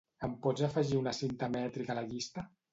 Em pots afegir una cinta mètrica a la llista?